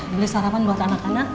beli sarapan buat anak anak